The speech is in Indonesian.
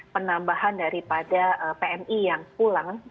penambahan daripada pmi yang pulang